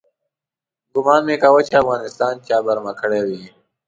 ګومان مې کاوه چې افغانستان چا برمته کړی وي.